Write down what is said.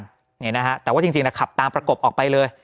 เห็นไหมนะฮะแต่ว่าจริงนะครับตามประกบออกไปเลย